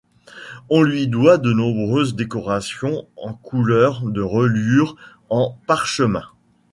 On lui doit de nombreuses décorations en couleurs de reliures en parchemin.